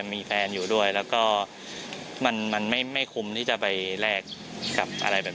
มีแฟนอยู่ด้วยแล้วก็มันไม่คุ้มที่จะไปแลกกับอะไรแบบ